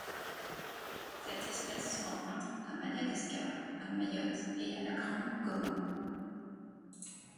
Cette espèce se rencontre à Madagascar, à Mayotte et à la Grande Comore.